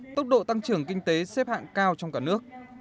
tốc độ tăng trưởng kinh tế xếp hạng cao trong cả nước